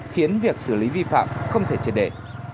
khiến việc xử lý vi phạm không thể triệt đề